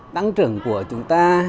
tăng trưởng của chúng ta